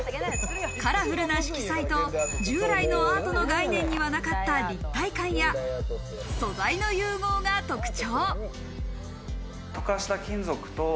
カラフルな色彩と従来のアートの概念にはなかった立体感や素材の融合が特徴。